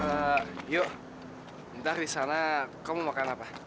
ehm yuk nanti di sana kamu mau makan apa